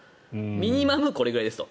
ミニマムこれくらいですと。